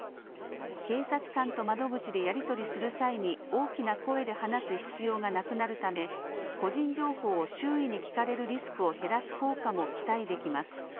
警察官と窓口でやり取りする際に大きな声で話す必要がなくなるため個人情報を周囲に聞かれるリスクを減らす効果も期待できます。